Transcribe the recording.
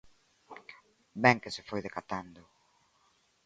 Ben que se foi decatando.